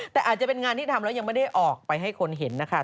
แต่อาจจะเป็นงานที่ทำแล้วยังไม่ได้ออกไปให้คนเห็นนะคะ